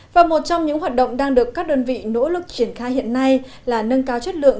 và một trong những hoạt động đang được các đơn vị nỗ lực triển khai hiện nay là nâng cao chất lượng